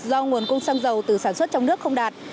do nguồn cung xăng dầu từ sản xuất trong nước không đạt